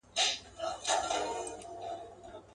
کرۍ ورځ یم وږې تږې ګرځېدلې.